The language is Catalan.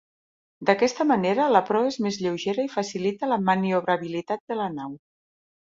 D'aquesta manera la proa és més lleugera i facilita la maniobrabilitat de la nau.